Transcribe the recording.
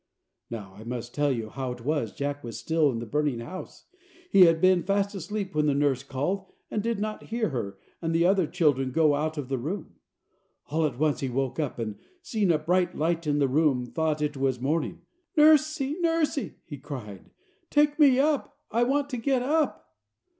Now I must tell you how it was Jack was still in the burning house. He had been fast asleep when the nurse called, and did not hear her and the other children go out of the room. All at once he woke up, and seeing a bright light in the room, thought it was morning. "Nursie, nursie!" he called, "take me up; I want to get up."